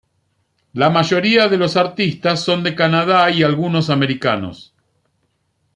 La mayoría de los artistas son de Canadá y algunos americanos.